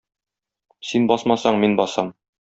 Син басмасаң, мин басам.